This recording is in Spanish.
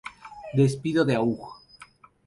Despido de Aug.